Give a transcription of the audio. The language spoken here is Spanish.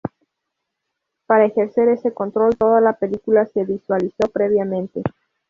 Para ejercer ese control toda la película se visualizó previamente.